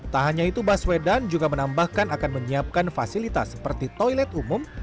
tak hanya itu baswedan juga menambahkan akan menyiapkan fasilitas seperti toilet umum